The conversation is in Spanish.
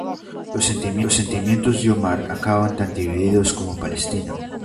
Los sentimientos de Omar acaban tan divididos como Palestina.